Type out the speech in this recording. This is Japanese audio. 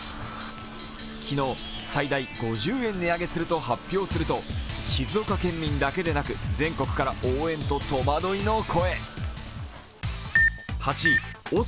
昨日、最大５０円値上げすると発表すると、静岡県民だけでなく全国から応援と戸惑いの声。